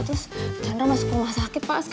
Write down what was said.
terus chandra masuk rumah sakit pak